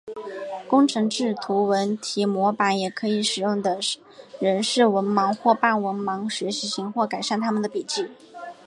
工程制图字体模板也可以使用的人是文盲或半文盲学习型或改善他们的笔迹。